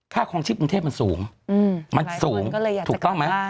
คลองชีพกรุงเทพมันสูงมันสูงถูกต้องไหม